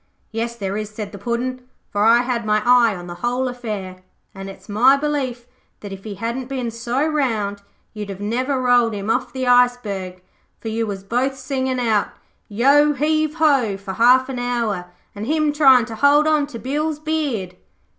'Yes there is,' said the Puddin', 'for I had my eye on the whole affair, and it's my belief that if he hadn't been so round you'd have never rolled him off the iceberg, for you was both singin' out "Yo heave Ho" for half an hour, an' him trying to hold on to Bill's beard.'